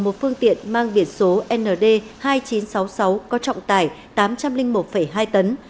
một phương tiện mang biển số nd hai nghìn chín trăm sáu mươi sáu có trọng tải tám trăm linh một hai tấn và một phương tiện không có biển sông hồng